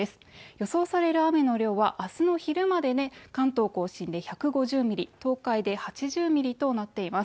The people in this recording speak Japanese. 予想される雨の量は、明日の昼までで関東甲信で１５０ミリ、東海で８０ミリとなっています。